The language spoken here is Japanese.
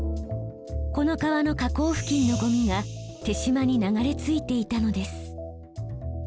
この川の河口付近のゴミが手島に流れ着いていたのです。